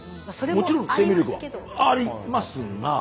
もちろん生命力はありますが。